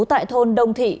tại thôn đông thị